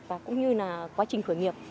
và cũng như là quá trình khởi nghiệp